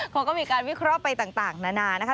เขาก็มีการวิเคราะห์ไปต่างนานานะคะ